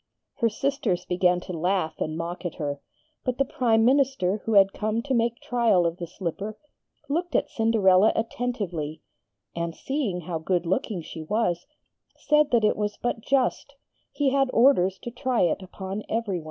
Her sisters began to laugh and mock at her, but the Prime Minister, who had come to make trial of the slipper, looked at Cinderella attentively, and seeing how good looking she was, said that it was but just he had orders to try it upon every one.